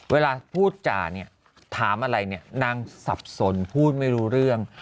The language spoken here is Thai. เวลาพูดจ่าเนี่ยถามอะไรเนี่ยนางสับสนพูดไม่รู้เรื่อง